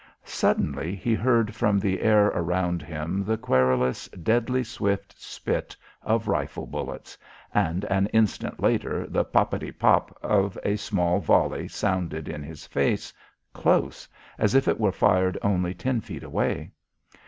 Suddenly he heard from the air around him the querulous, deadly swift spit of rifle bullets, and, an instant later, the poppety pop of a small volley sounded in his face, close, as if it were fired only ten feet away.